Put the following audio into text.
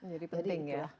jadi penting ya